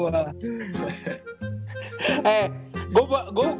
gue baru buka instagram tadi gue